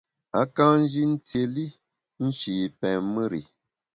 A ka nji ntiéli nshi pèn mùr i.